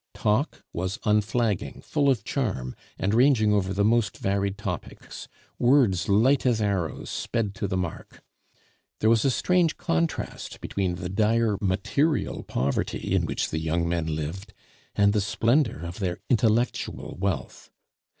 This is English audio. Talk was unflagging, full of charm, and ranging over the most varied topics; words light as arrows sped to the mark. There was a strange contrast between the dire material poverty in which the young men lived and the splendor of their intellectual wealth.